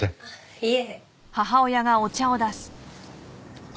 いえ。